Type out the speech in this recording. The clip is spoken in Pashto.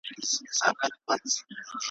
ما په غزل کي وه د حق پر جنازه ژړلي ,